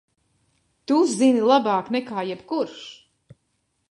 Tu zini labāk nekā jebkurš!